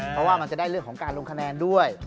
เพราะว่ามันจะได้เรื่องของการลงคะแนนด้วย